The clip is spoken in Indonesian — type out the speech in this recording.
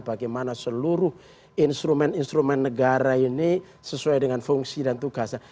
bagaimana seluruh instrumen instrumen negara ini sesuai dengan fungsi dan tugas